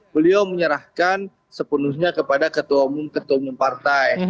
beliau menyerahkan sepenuhnya kepada ketua umum ketua umum partai